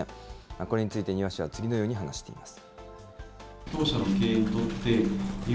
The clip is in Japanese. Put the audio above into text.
これについて、丹羽氏は次のように話しています。